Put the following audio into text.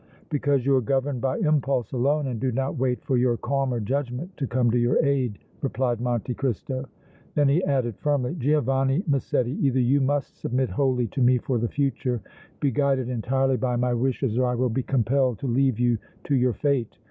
"Because you are governed by impulse alone and do not wait for your calmer judgment to come to your aid," replied Monte Cristo. Then he added, firmly: "Giovanni Massetti, either you must submit wholly to me for the future, be guided entirely by my wishes, or I will be compelled to leave you to your fate!